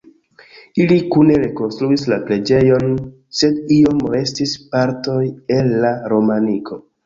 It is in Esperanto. Ili kune rekonstruis la preĝejon, sed iom restis partoj el la romaniko.